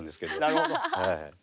なるほど。